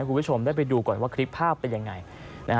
คุณผู้ชมได้ไปดูก่อนว่าคลิปภาพเป็นยังไง